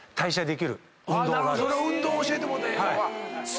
その運動を教えてもうたらええのか。